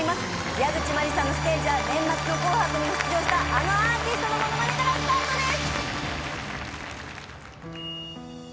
矢口真里さんのステージは年末の『紅白』に出場したあのアーティストのモノマネからスタートです！